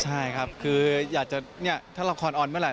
ใช่ครับคืออยากจะถ้าละครอดอ่อนเมื่อไหร่